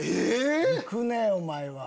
行くねぇお前は。